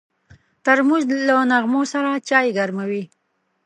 ترموز له نغمو سره چای ګرموي.